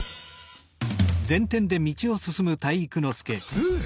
ふう！